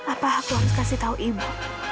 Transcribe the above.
apa aku harus kasih tahu ibu